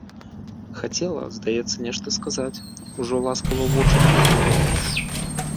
Хацела, здаецца, нешта сказаць, ужо ласкава вочы прыжмурыла.